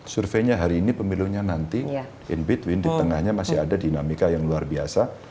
surveinya hari ini pemilunya nanti in between di tengahnya masih ada dinamika yang luar biasa